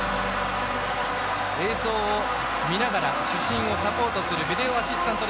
映像を見ながら主審をサポートするビデオアシスタント